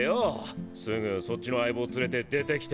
すぐそっちの相棒連れて出てきて。